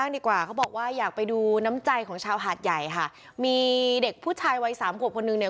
ดีกว่าเขาบอกว่าอยากไปดูน้ำใจของชาวหาดใหญ่ค่ะมีเด็กผู้ชายวัยสามขวบคนนึงเนี่ย